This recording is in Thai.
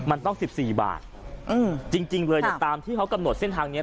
มันต้องสิบสี่บาทอืมจริงจริงเลยแต่ตามที่เขากำหนดเส้นทางนี้